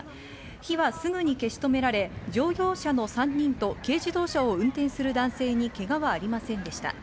火はすぐに消し止められ、乗用車の３人と軽自動車を運転する男性にけがはありませんでした。